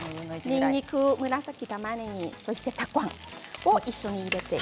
にんにく、紫たまねぎそしてたくあんを一緒に入れて。